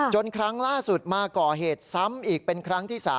ครั้งล่าสุดมาก่อเหตุซ้ำอีกเป็นครั้งที่๓